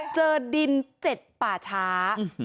เจอดินเจ็ดป่าช้า